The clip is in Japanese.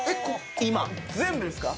全部ですか？